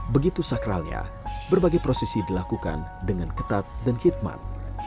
begitu sakralnya berbagai prosesi dilakukan dengan ketat dan khidmat